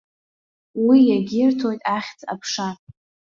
Уи иагьирҭоит ахьӡ-аԥша.